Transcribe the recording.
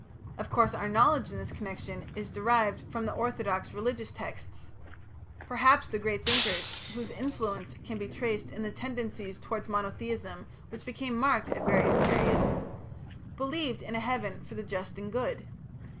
Of course, our knowledge in this connection is derived from the orthodox religious texts. Perhaps the great thinkers, whose influence can be traced in the tendencies towards monotheism which became marked at various periods, believed in a Heaven for the just and good.